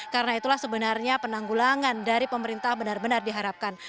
karena itulah sebenarnya penanggulangan dari pemerintah benar benar diharapkan